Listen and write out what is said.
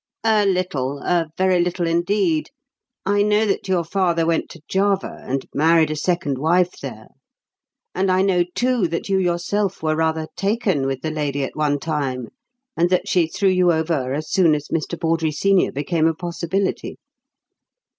"A little a very little indeed. I know that your father went to Java, and married a second wife there; and I know, too, that you yourself were rather taken with the lady at one time, and that she threw you over as soon as Mr. Bawdrey senior became a possibility."